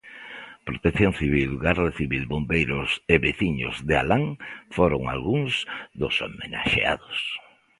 Protección Civil, Garda Civil, bombeiros e veciños de alán foron algúns dos homenaxeados.